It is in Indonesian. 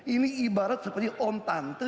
ini ibarat seperti on tante